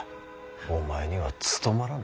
お前には務まらぬ。